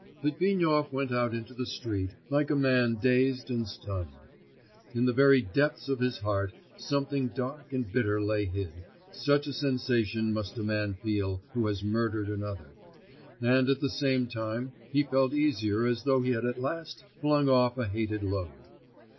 Litvinov went out into the street like a man dazed and stunned; in the very depths of his heart something dark and bitter lay hid, such a sensation must a man feel who has murdered another; and at the same time he felt easier as though he had at last flung off a hated load.